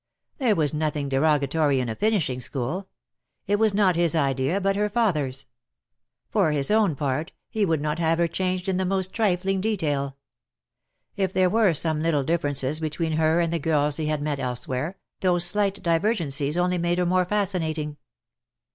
There was nothing derogatory in a finishing school. It was not his idea, but her father's. For his own part he would not have her changed in the most trifling detail. If there were some little differences between her and the girls he had met elsewhere, DEAD LOVE HAS CHAINS. 75 those slight divergencies only made her more fascinating.